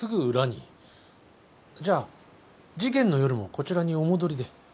じゃあ事件の夜もこちらにお戻りで？